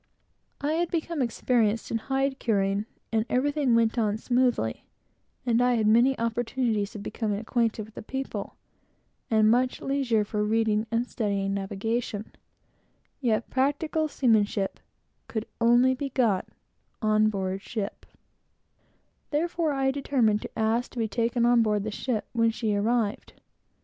I had become experienced in hide curing, and everything went on smoothly, and I had many opportunities of becoming acquainted with the people, and much leisure for reading and studying navigation; yet practical seamanship could only be got on board ship; therefore, I determined to ask to be taken on board the ship when she arrived.